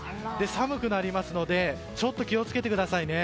寒くなりますので、ちょっと気を付けてくださいね。